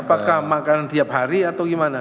apakah makanan tiap hari atau gimana